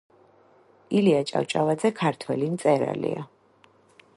ილია ჭავჭავაძე ქართველი მწერალია